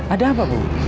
ada apa bu